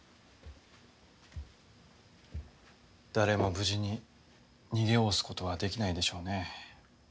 誰も無事に逃げおおす事はできないでしょうね。